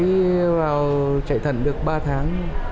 tôi mới vào chạy thận được ba tháng